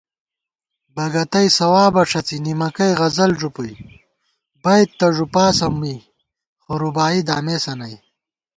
بگَتَئ ثوابہ ݭڅی نِمَکَئ غزَل ݫُپُوئی * بَئیت تہ ݫُوپاسہ می خو رُباعی دامېسہ نئ